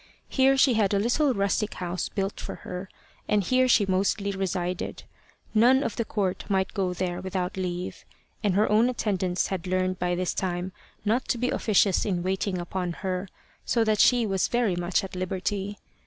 Here she had a little rustic house built for her, and here she mostly resided. None of the court might go there without leave, and her own attendants had learned by this time not to be officious in waiting upon her, so that she was very much at liberty.